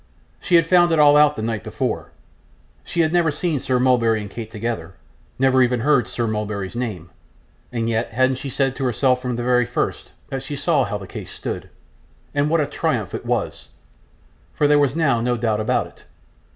She had found it all out the night before. She had never seen Sir Mulberry and Kate together never even heard Sir Mulberry's name and yet hadn't she said to herself from the very first, that she saw how the case stood? and what a triumph it was, for there was now no doubt about it.